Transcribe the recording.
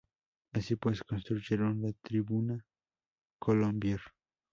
Así pues, construyeron la tribuna Colombier.